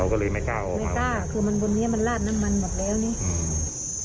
ก็เลยไม่กล้าออกไม่กล้าคือมันบนเนี้ยมันลาดน้ำมันหมดแล้วนี่อืม